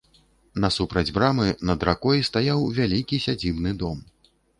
Насупраць брамы, над ракой, стаяў вялікі сядзібны дом.